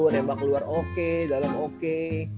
nembak keluar oke dalam oke